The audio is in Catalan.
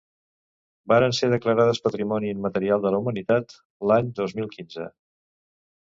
Varen ser declarades Patrimoni Immaterial de la Humanitat l'any dos mil quinze.